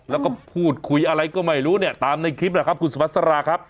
แล้วก็พูดคุยอะไรก็ไม่รู้เนี่ยตามในคลิปแหละครับคุณสุพัสราครับ